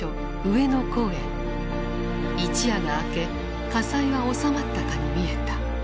一夜が明け火災は収まったかに見えた。